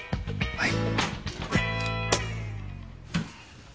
はい。